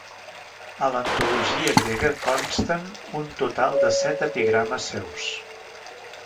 A l'antologia grega consten un total de set epigrames seus.